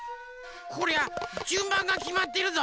こりゃじゅんばんがきまってるぞ。